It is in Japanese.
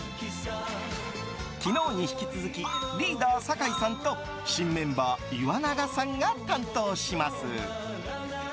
昨日に引き続きリーダー酒井さんと新メンバー岩永さんが担当します。